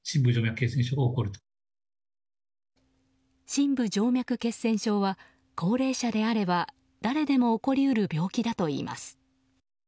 深部静脈血栓症は高齢者であれば誰でも起こり得る病気だといいます。